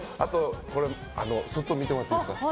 外見てもらっていいですか。